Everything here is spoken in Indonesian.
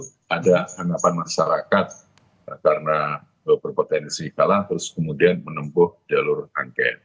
karena ada anggapan masyarakat karena berpotensi kalah terus kemudian menempuh jalur angket